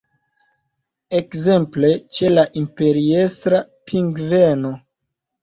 Ekzemple ĉe la Imperiestra pingveno.